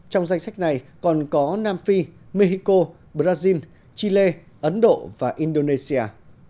trong danh sách này còn có nam phi mexico brazil chile ấn độ và indonesia